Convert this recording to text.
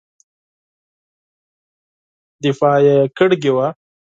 دفاع کړې وه.